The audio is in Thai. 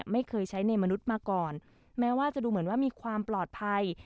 ไม่เคยใช้ในมนุษย์มาก่อนแม้ว่าจะดูเหมือนว่ามีความปลอดภัย